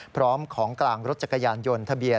พร้อมของกลางรถจักรยานยนต์